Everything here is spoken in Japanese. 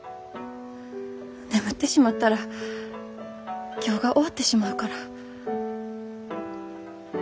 眠ってしまったら今日が終わってしまうから。